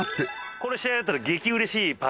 これ試合だったら激うれしいパー。